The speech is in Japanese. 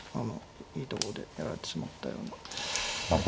いいところでやられてしまったような。